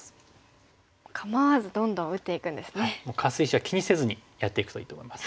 カス石は気にせずにやっていくといいと思います。